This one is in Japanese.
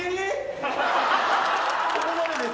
ここまでです。